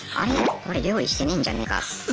これ料理してねえんじゃねえか？とか。